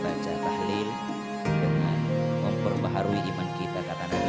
selanjutnya kita membaca tahlil dengan memperbaharui iman kita kata nabi